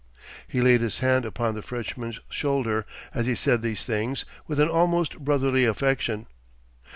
He laid his hand upon the Frenchman's shoulder as he said these things, with an almost brotherly affection.